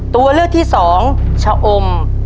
ตัวเลือกที่สองชะอม